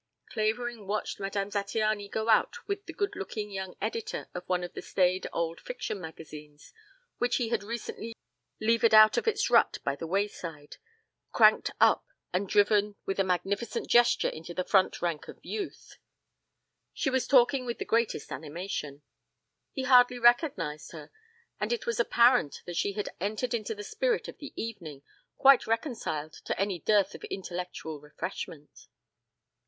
Clavering watched Madame Zattiany go out with the good looking young editor of one of the staid old fiction magazines which he had recently levered out of its rut by the wayside, cranked up and driven with a magnificent gesture into the front rank of Youth. She was talking with the greatest animation. He hardly recognized her and it was apparent that she had entered into the spirit of the evening, quite reconciled to any dearth of intellectual refreshment.